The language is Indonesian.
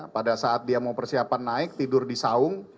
pada saat dia mau persiapan naik tidur di saung